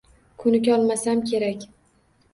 Ko‘nikolmasam kerak.